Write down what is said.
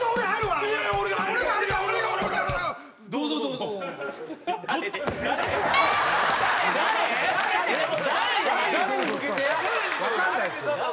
わかんないですよ。